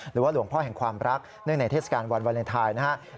หลวงพ่อแห่งความรักเนื่องในเทศกาลวันวาเลนไทยนะครับ